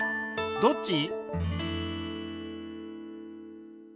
どっち？